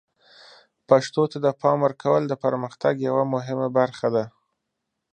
پښتو ته د پام ورکول د پرمختګ یوه مهمه برخه ده.